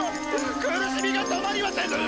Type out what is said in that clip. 苦しみが止まりません！